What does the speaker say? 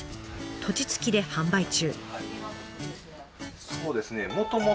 土地付きで販売中。